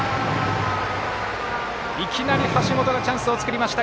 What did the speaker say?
いきなり橋本チャンスを作りました。